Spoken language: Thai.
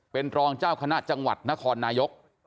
เป็นรองเจ้าคณะจังหวัดนครนายก